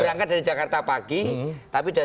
berangkat dari jakarta pagi tapi sudah